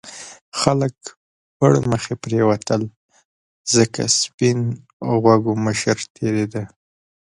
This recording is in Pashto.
خلک پرمخې پرېوتل ځکه سپین غوږو مشر تېرېده.